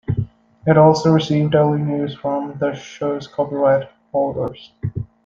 It also received early news from the show's copyright holders.